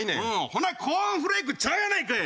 ほなコーンフレークちゃうやないかい！